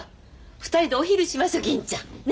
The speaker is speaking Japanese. ２人でお昼しましょ銀ちゃん。ね！